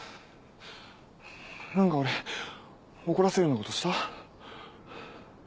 何か俺怒らせるようなことした？